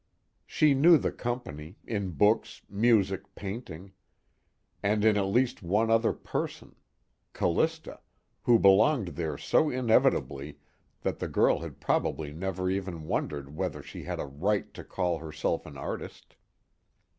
She knew the company, in books, music, painting; and in at least one other person: Callista, who belonged there so inevitably that the girl had probably never even wondered whether she had a "right" to call herself an artist.